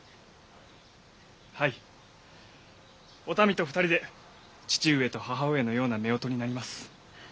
お民と二人で父上と母上のようなめおとになります。